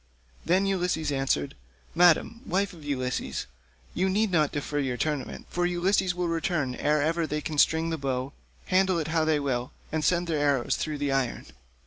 Then Ulysses answered, "Madam, wife of Ulysses, you need not defer your tournament, for Ulysses will return ere ever they can string the bow, handle it how they will, and send their arrows through the iron."